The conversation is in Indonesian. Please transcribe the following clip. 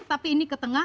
tapi ini ke tengah